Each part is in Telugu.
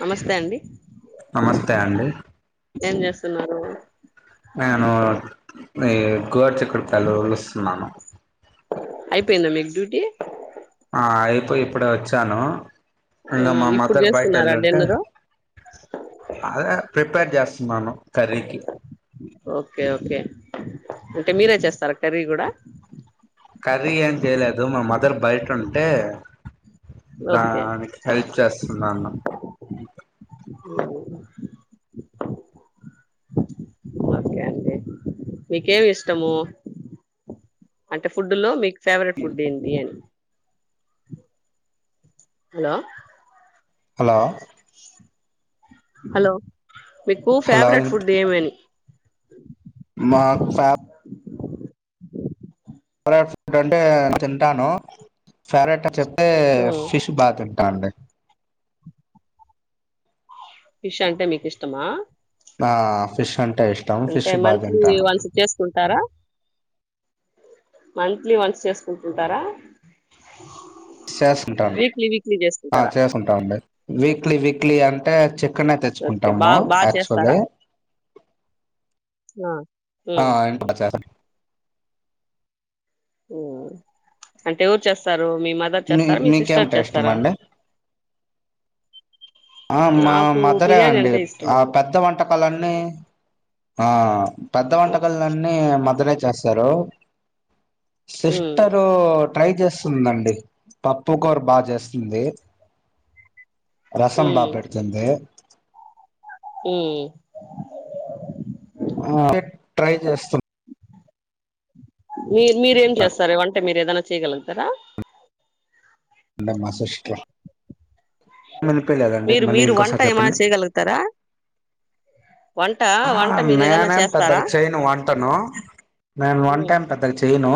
నమస్తే అండి నమస్తే అండి ఏం చేస్తున్నారు నేను ఈ గిదిచ్చుకుపళ్లు ఒళ్ళుస్తున్నాను అయిపోయిందా మీకు డ్యూటీ ఆ ఇప్పుడు ఇప్పడె వచ్చాను ఇంకా మా ఇప్పుడు మదర్ బయట చేస్తున్నారా వెళ్ళుంటే డిన్నరు అదే ప్రిపేర్ చేస్తున్నాను కర్రీకి ఓకే ఓకే అంటే మీరే చేస్తారా కర్రీ కూడా కర్రీ ఏం చెయలేదు మా మదర్ బయట ఉంటే ఓకే దానికి హెల్ప్ చేస్తున్నాను ఓకే అండి అంటే ఫుడ్ లో మీకు ఫేవరెట్ ఫుడ్ ఏంటి అని హలో హలో హలో మీకు హలో ఫేవరెట్ ఫుడ్ ఏమని నాకు ప ఫేవరెట్ ఫుడ్ అంటే తింటాను ఫేవరెట్ చె అదే ఫిష్ బాగా ఉంటా అండి ఫిష్ అంటే మీకు ఇష్టమా ఆ ఫిష్ అంటే ఇష్టం అంటే ఫిష్ మంత్లీ బాగాంటాను వన్స్ చేసుకుంటారా మంత్లీ వన్స్ చేసుకుంటుంటారా చేస్తుంటా వీక్లీ వీక్లీ ఆ చేసుకుంటారా చేసుకుంటాండి వీక్లీ వీక్లీ అంటే చికెన్ తెచ్చుకుంటాము యాక్చువలాగా హ ఆ ఇప్పుడే చేస్తా ఉమ్ అంటే ఎవురు చేస్తారు మీ మదర్ చేస్తారా మీ సిస్టర్ మీకేమిటా ఇష్టం చేస్తారా అండి ఆ మా నాకు మదరే బిర్యానీ అండి అంటే ఇష్టం ఆ అండి పెద్ద వంటకాలన్నీ ఆ పెద్ద వంటకాలన్నీ మదర్రే చేస్తారు ఉమ్ సిస్టరు ట్రై చేస్తుందండి పప్పు కూర బా చేస్తుంది. రసం బా ఉమ్ పెడుతుంది. ఉమ్ ఊ ట్రై చేస్త మీ మీరేం చేస్తార వంటే మీరు ఏదైనా చేయగలుగుతారా? మా సిస్టర్ వినిపిలేదండి మీరు మళ్ళీ మీరు వంట ఇంకోసారి ఏమైనా చెప్పండి. చేయగలుగుతారా వంట ఆ వంట మీరు ఏదైనా నేనేం చేస్తారా పెద్దగా చెయను వంటను నేను వంటెమ్ పెద్దగా చెయను.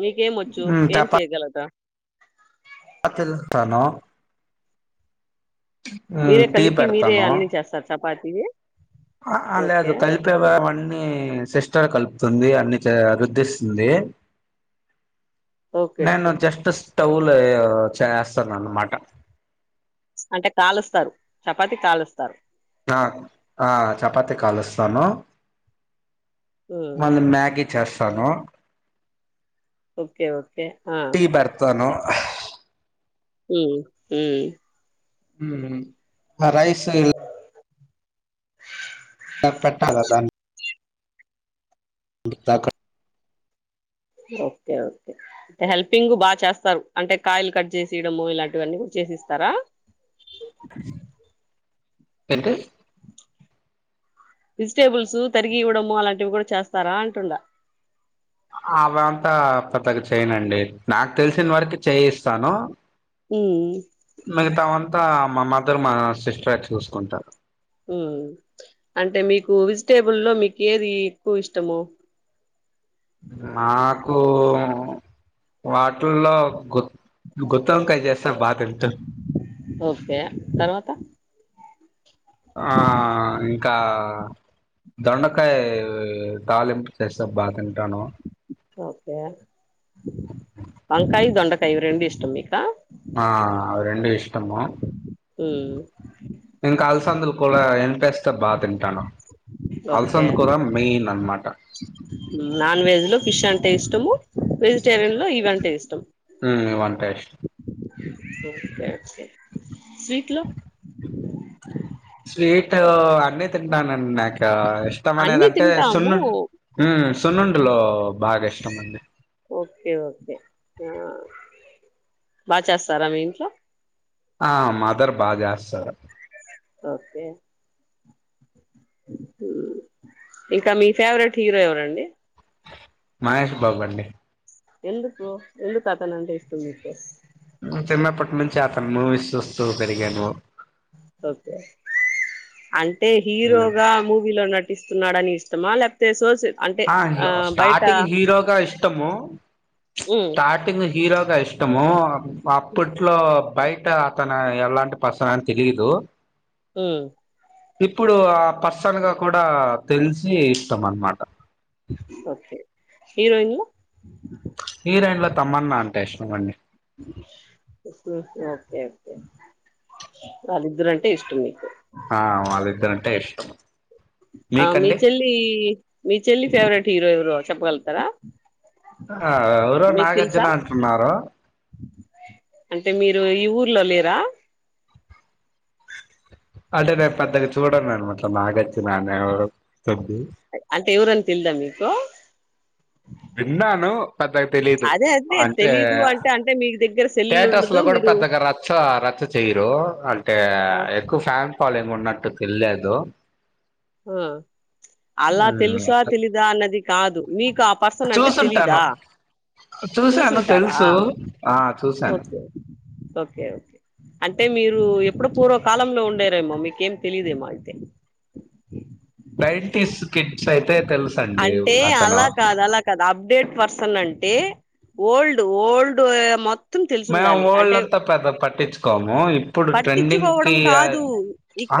మీకేం వచ్చు ఏం చేయగలదా? అత్తె తింటాను. మీరే కలిపి మీరే అన్ని చేస్తారు చపాతీవి ఆ ఓకే లేదు కలిపేవ అన్నీ సిస్టర్ కలుపుతుంది అన్ని. వద్ధిస్తుంది ఓకే నేను ఓకే జస్ట్ స్టవ్ చేస్తాను అన్నమాట అంటే కాలుస్తారు, చపాతి కాలు ఇస్తారు. ఆ హ చపాతి కాలుస్తాను ఉమ్, మళ్ళీ మ్యాగీ చేస్తాను. ఓకే ఓకే ఆ టీ బేడోతాను హు హుమ్మ్ హుమ్మ్ రైసు పెట్టాలదా తాకా ఓకే ఓకే అంటే హెల్పింగ్ బాగా చేస్తారు. అంటే కాయలు కట్ చేసియడము ఇలాంటివన్నీ కూడా ఇస్తారా ఎంటి వెజిటేబుల్స్ తరిగి ఇవ్వడము అలాంటివి కూడా చేస్తారా అంటుండ? అవ్వి అంత పెద్దగా చేయనండి. నాకు తెలిసిన వరకి చేయి ఇస్తాను ఉమ్ మిగతామంతా మా మదర్, మా సిస్టర్ చూసుకుంటారు. మ్ అంటే మీకు వెజిటేబుల్ లో మీకు ఏది ఎక్కువ ఇష్టము? మాకు వాటుల్లో గుత్తు వంకాయ చెస్ ఓకే తర్వాత ఆ ఇంకా దొండకాయ తాలింపు చేస్త బాతింటాను. ఓకే వంకాయ, దొండకాయ ఇవ్వి రెండి ఇష్ట మీకా? తమ్మో ఉమ్ ఇంక అలసందలు కూల ఎంపెస్తే బా తింటాను. ఓకే అలసంద కూర మెయిన్ అనమాట నాన్ వెజ్లు ఫిష్ అంటే ఇష్టము. వెజిటేరియన్ లో ఇవంటే ఇష్టం. మ్ వంటేష్ ఓకేఓకే స్వీట్ లో స్వీట్ అన్ని తిన్ అన్నిటానండి నాకు ఇష్టం అన్ని అనేదింటే తింటాము సున్న మ్ సున్నండులు బాగా ఇష్టంమండి ఓకే ఓకే బా చేస్తారా మీ ఇంట్లో? ఆ మాదర్ బా జేస్తరు ఓకే ఇంకా మీ ఫేవరెట్ హీరో ఎవరండి మహేష్ బాబండి ఎందుకు ఎందుకతనంటే ఇష్టం మీకు చిన్నప్పటి నుంచి అతను మూవీస్ చూస్తూ పెరిగాను ఓకే అంటే హీరోగా మూవీలో నటిస్తున్నాడని ష్టమ లేకపోతే సోసు ఆ స్టార్టింగ్ హీరోగా ఇష్టము ఉమ్ స్టార్టింగ్ హీరోగా ఇష్టము అప్ అప్పట్లో బయట అతను ఎలాంటి పర్సనని తెలిదు ఉ ఇప్పుడు ఆ పర్సన్ గా కూడా తెలిసి ఇష్టం అనమాట ఓకే హీరోయిన్లో హీరోయిన్లో తమ్మన్నా అంటే ఇష్టమండి ఉ ఓకే ఒకే వాళ్ళిద్దరంటే ఇష్టం మీకు ఆ వాళ్ళిద్దరంటే ఇష్టం ఆ మీ మీకండి చెల్లి మీ చెల్లి ఫేవరెట్ హీరో ఎవరో చెప్పగలుగుతారా ఎవరో మీకు తెలుసా నాగార్జునంటున్నారు అంటే మీరు ఈ ఊర్లో లేరా అంటే నేను పెద్దగా చూడను అన మాట నాగర్జున అనె వారు అంటే ఎవరని తెల్దా మీకు విన్నాను పెద్దగా తెలీదు అదే అదే అంటే తెలీదు అంటే అంటే మీ దగ్గర సెల్లులు టేటస్ ఉండదు లో కూడా మీరు పెద్దగా రచ్చ రచ్చ చెయరు అంటే ఆ ఎక్కువ ఫ్యాన్ ఫాలోవింగ్ ఉన్నట్టు తేలేదు ఆ అలా తెలుసా తెలీదా అన్నది కాదు మీకు క ఆ పర్సన్ అంటే చూసుంటాను తెలీదా చూసాను చూసుంటారా తెలుసు ఆ చూసాను ఓకే ఓకే ఓకే అంటే మీరు ఎప్పుడు పూర్వకాలంలో ఉండేరేమో మీకేం తెలిదేమో అయితే నైన్టిస్ కిడ్స్ అయితే తెలుసండి అంటే అతను అలా కాదు అలా కాదు అప్డేట్ పర్సన్ అంటే ఓల్డ్ ఓల్డ్ ఏ మొత్ మేము ఓల్డ్ అంతా పెద్ద పట్టించుకోము ఇప్పుడు ట్రెండింగ్ కి పట్టించుకోవడం కాదు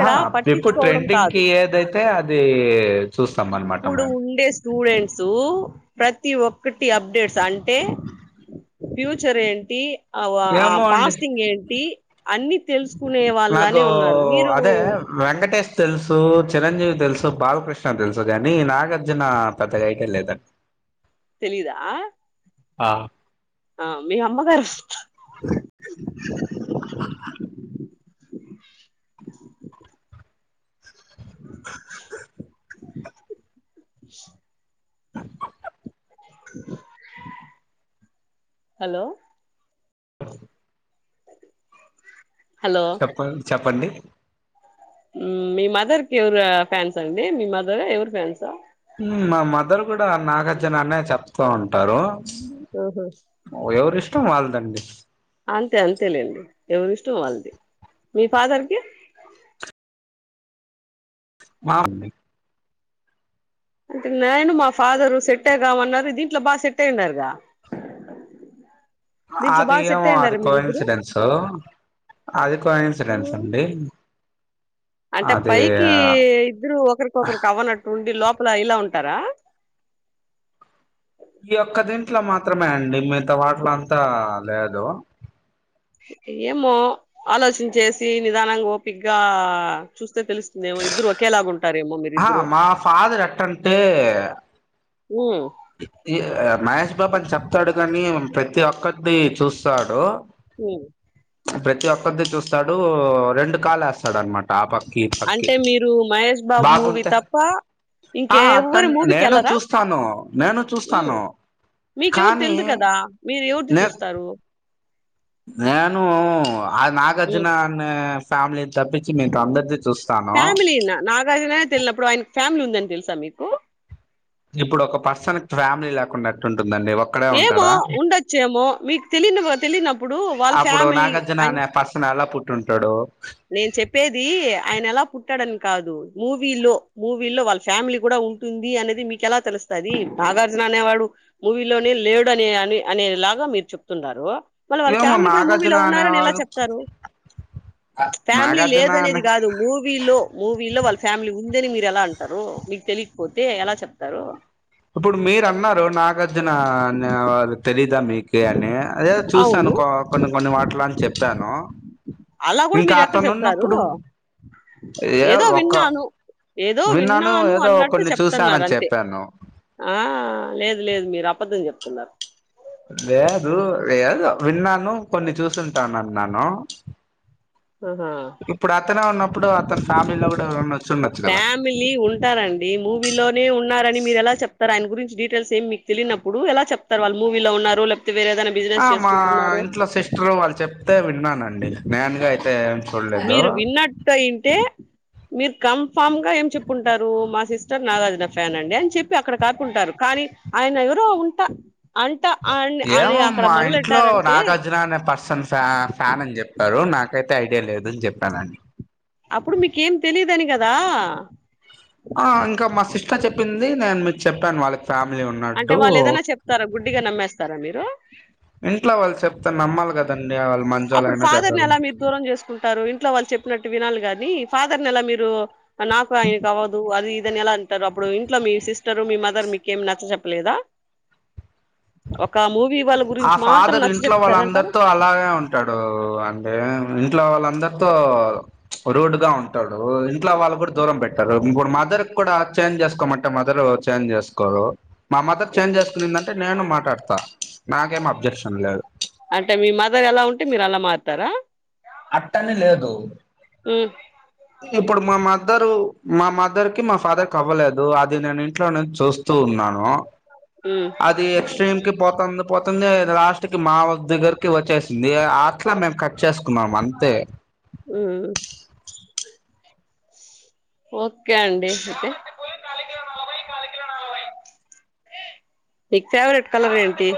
ఆ ఇప్పుడు పట్టించుకోవడం కాదు ట్రెండింగ్కి ఏదైతే అది చూస్ ఇప్పుడు ఉండే స్టూడెంట్సు ప్రతి ఒక్కటి అప్డేట్స్ అంటే ఫ్యూచర్ ఏంటి ఆ ఆ ఏమో అండి పాస్టింగ్ ఏంటి అన్ని తెలుసు నాకు అదే వెంకటేేష్ తెలుసు చిరంజీవి తెలుసు బాలకృష్ణ తెలుసు కాని నాగార్జున పెద్దగా ఐడియా లేదండి తెలిదా ఆ ఆ మీ అమ్మగారు హలో హలో చెప్పం చెప్పండి మీ మదర్కి ఎవరు ఫ్యాన్స్ అండి మీ మదర్ ఎవరు ఫాన్స్ మా మదర్ కూడ నాగార్జున అనే చెప్తూ ఉంటారు ఉహు మొత్తం వాళ్ళదండి అంతే అంతే లేండి ఎవరిష్టం వాళ్ళది మీ ఫాదర్కి మా అంటే నేను మా ఫాదరు సెట్ ఏ కామున్నారు దీంట్లో బాగా సెట్ అయ్యనన్నారుగా దీంట్లో అది బాగా సెట్ ఏమో అది అయ్యండారు మీరిద్దరు కోన్సిడెన్స్ అది కో ఇన్సిడెన్స్ ఉండి అంటే పైకి ఇద్దరు ఒకరికొకరికి అవ్వనట్టు ఉండి లోపల లా ఇలా ఉంటారా ఈ ఒక్క దంట్లో మాత్రమే అండి మిగత వాటల అంతా లేదు ఏమో ఆలోచన చేసి నిదానంగా ఓపిక్గా చూస్తే తెలుస్తుందేమో ఇద్దరు ఒకేేలాగుంటు ఆ మా ఫాదర్ ఎటంటే ఉనో మహేష్ బాబు అని చెప్తాడు కాని ప్రతి ఒక్కటిని చూస్తాడు హ్మ్. ప్రతి ఒక్కది చూస్తాడు రెండు కాలు వస్తాడు సడన్మాట ఆ పక్కకి పక్కకి అంటే మీరు 'మహేష్ బాబు' బాగు మూవీ ఉంట తప్ప ఆ ఇంకెవ్వరి తన్ నేను మూవీకెళ్ళరా? చూస్తాను నేను హ్మ్. చూస్తాను మీకెవరు కానీ తెలీదు కదా! మీరు ఎవరిది నే చూస్తారు? నేను ఆ హ్మ్. నాగార్జున అన్న ఫ్యామిలీ ఫ్యామిలీనా నాగార్జుననే తెలినప్పుడు ఆయనకి ఫ్యామిలీ ఉందని తెలుసా మీకు ఇప్పుడు ఒక పర్సన్ ఫ్యామిలీ లేకుండాటుంది ఏమో ఉండొచ్చేమో మీకు తెలిన తెలియనప్పుడు వాళ్ళ ఫ్యామిలీ అని నా పర్సన్ ఎలా పుట్టి ఉంటాడు నేను చెప్పేది ఆయన ఎలా పుట్టాడని కాదు మూవీలో మూవీలో వాళ్ళ ఫ్యామిలీ కూడా ఉంటుంది అనేది మీకెలా తెలుస్తుది నాగార్జున అనేవాడు మూవీలోనే లేడు అనే అనే ఇలాగా మీరు చెప్తున్నారు మళ్ళ వాళ్ళ ఏమో ఫ్యామిలీ కూడా మూవీలో నాగార్జున ఉన్నారని ఎలా అనేవాళ్ళు చెప్తారు ఫ్యామిలీ లేదు నాగార్జున అనేది అనే కాదు మూవీలో మూవీలో వాళ్ళ ఫ్యామిలీ ఉందని మీరు ఎలా అంటారు మీకు తెలియకపోతే ఎలా చెప్తారు ఇప్పుడు మీరు అన్నారు నాగార్జున అనే వాళ్లు తెలి మీకి అని అదే చూసాను అవును కొన్ని కొన్ని వాటిలో అని చెప్పాను అలా కూడా ఇంకా మీరు ఎక్కడ అతను చెప్తారు ఉన్నప్పుడు ఏ ఏదో ఒక విన్నాను ఏదో విన్నాను ఏదో అన్నట్టు కొన్ని చెప్తున్నారు చూసానని అంతే చెప్పాను ఆ లేదు లేదు మీరు అబద్ధం చెప్తున్నారు లేదు లేదు విన్నాను కొన్ని చూసుంటానున్నాను ఆహా ఇప్పుడు అతనే ఉన్నప్పుడు అతను ఫ్యామిలీలో కూడా ఎవరినా వచ్చుండొచ్చు కదా అండి మూవీలోనే ఉన్నారని మీరు ఎలా చెప్తారు ఆయన గురించి డీటెయిల్స్ ఏమి మీకు తెలినప్పుడు ఎలా చెప్తారు వాళ్ మూవీలో ఉన్నారు వేరే ఏదైనా ఆ బిజినెస్ మా చేసుకుంటున్నారు ఇంట్లో సిస్టరు వాళ్ళు చెప్తే విన్నానండి నేనుగా అయితే చూడలేదు మీరు విన్నట్టు అయితే మీరు కన్ఫామ్ గా ఏం చెప్పుంటారు మా సిస్టర్ నాగార్జున ఫ్యాన్ అండి అని చెప్పి అక్కడ కాకుంటారు మరి ఆయన ఎవరో ఉంటా అంట అని అని ఏమం అక్కడ మా ఇంట్లో మొదలెట్టారంటే నాగార్జున అనే పర్సన్ ఫ ఫ్యాన్ అని చెప్పారు నా నాకైతే ఐడియా లేదుని చెప్పానున్ని అప్పుడు మీకేం తెలిదని కదా ఆ ఇంకా మా సిస్టర్ చెప్పింది నేను మీకు చెప్పాను వాళ్ళకి ఫ్యామిలీ అంటే ఉన్నట్టు వాళ్ళు ఏదైనా చెప్తారా గుడ్డిగా నమ్మేస్తారా మీరు ఇంట్లో వాళ్ళు చెప్తే నమ్మాలి కదండి వాళ్ళు అప్పుడు మంచోళ్ళైనా ఫాదర్ ని ఎలా చెడ్డోళ్ళైనా మీరు దూరం చేసుకుంటారు ఇంట్లో వాళ్ళు చెప్పినట్టు వినాలి కాగాని ఫాదర్ న ఎలా మీరు నాకు ఆయనకు అవ్వదు అది ఏదని ఎలా అంటారు అప్పుడు ఇంట్లో మీ సిస్టరు మీ మదర్ మీకేం నచ్చ చెప్పలేదా ఒక మూవీ వాళ్ళ ఆ గురించి మాత్రం ఫాదర్ నచ్చ ఇంట్లో వాళ్ళ చెప్తారంటారు అందరితో అలాగే ఉంటాడు ఊ దే ఇంట్లో వాళ్ళందరితో రూడ్గా ఉంటాడు ఇంట్లో వాళ్ళు కూడా దూరం పెట్ ఇప్పుడు మదర్ కూడా చేంజ్ చేసుకోమంటే మదర్ చేంజ్ చేసుకోరు మా మదర్ చేంజ్ హ్మ్. చేసుకునిందంటే నేను మాట్లాడుతా నాకేం అబ్జెక్షన్ లేద్ అంటే మీ మదర్ ఎలా ఉంటే మీర్ అలా మారుతారా అట్టనీ లేదు ఉమ్ ఇప్పుడు మా మదరు మా మదర్ కి మా ఫాదర్ అవ్వలేదు అది నేను ఇంట్లోనే చూస్తూ ఉన్ న్నాను ఉమ్ అది ఎక్స్ట్రీమ్ కి పోతంది పోతా పోతుందే లాస్ట్ కి మా వ దగ్గరకి వచ్చేసింది అట్లా మేము కట్ చేసుకున్నాం అంతే మ్మ్ ఓకే అండి నిక్ ఫేవరేట్ కలర్ ఏంటి